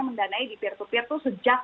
mendanai di p dua p tuh sejak dua ribu dua puluh